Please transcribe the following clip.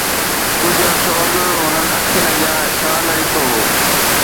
ڪجهه عرصو اڳ هنن اکين اڳيان ڇا نه ڏٺو هو